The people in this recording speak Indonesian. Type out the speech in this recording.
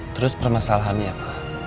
terus permasalahannya apa